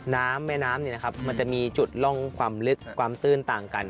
แม่น้ำมันจะมีจุดร่องความลึกความตื้นต่างกัน